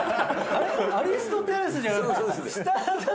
アリスとテレスじゃなくて？